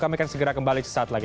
kami akan segera kembali sesaat lagi